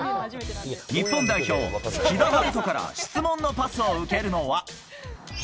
日本代表、木田晴斗から質問のパスを受けるのは。